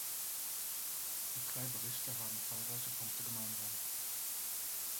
Die drei Berichte haben zahlreiche Punkte gemeinsam.